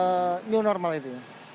ini sudah apa itu new normal itu ya